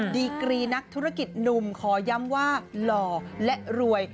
ดีกรีนักธุรกิจหนุ่มขอย้ำว่าหล่อและรวย